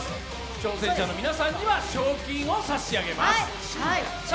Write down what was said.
挑戦者の皆さんには賞金を差し上げます。